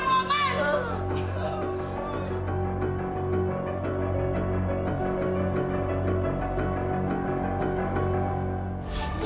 kurang ajar kak mohon